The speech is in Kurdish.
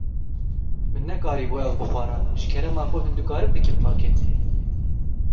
Min nekarîbû ev bixwara, ji kerema xwe hûn dikarin bikin pakêt?